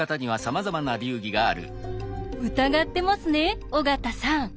疑ってますね尾形さん。